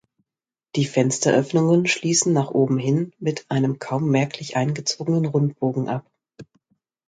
Die Fensteröffnungen schließen nach oben hin mit einem kaum merklich eingezogenen Rundbogen ab.